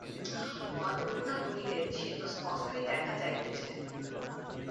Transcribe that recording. অন্নপূর্ণা কহিলেন, সে তো স্পষ্টই দেখা যাইতেছে।